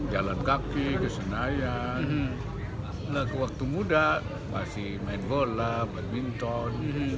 jalan kaki kesenayan waktu muda masih main bola badminton